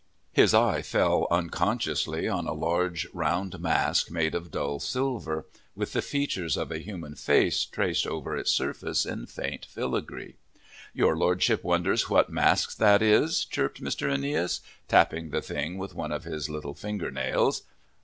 His eye fell unconsciously on a large, round mask made of dull silver, with the features of a human face traced over its surface in faint filigree. "Your Lordship wonders what mask that is?" chirped Mr. Aeneas, tapping the thing with one of his little finger nails.